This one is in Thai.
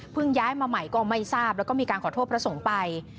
ย้ายมาใหม่ก็ไม่ทราบแล้วก็มีการขอโทษพระสงฆ์ไป